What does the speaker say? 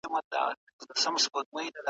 افغان صنعتکاران څه ډول غالۍ تاجکستان ته پلوري؟